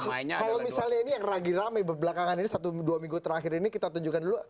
kalau misalnya ini yang lagi rame belakangan ini satu dua minggu terakhir ini kita tunjukkan dulu